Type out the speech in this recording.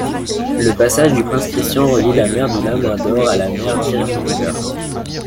Le passage du Prince Christian relie la Mer du Labrador à la Mer d'Irminger.